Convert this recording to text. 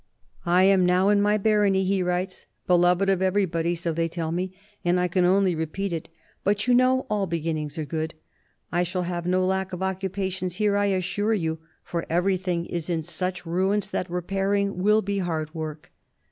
"... I am now in my barony," he writes, " beloved of everybody, so they tell me, and I can only repeat it ; but you know all beginnings are good. I shall have no lack of occupation here, I assure you, for everything is in such THE BISHOP OF LUgON 41 ruins that repairing will be hard work.